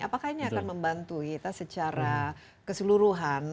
apakah ini akan membantu kita secara keseluruhan